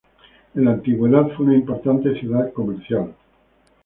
En la antigüedad fue una importante ciudad comercial.